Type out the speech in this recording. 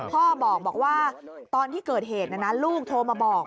พ่อบอกว่าตอนที่เกิดเหตุลูกโทรมาบอก